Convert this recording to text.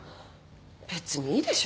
別にいいでしょ。